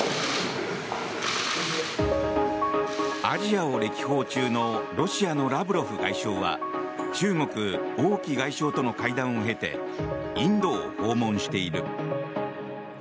アジアを歴訪中のロシアのラブロフ外相は中国、王毅外相との会談を経てインドを訪問している。